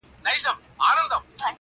تاسي څرنګه موږ پوه نه کړو چي دام دی -